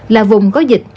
là vùng có dịch